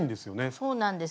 そうなんです。